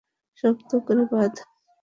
শক্ত করে বাঁধ।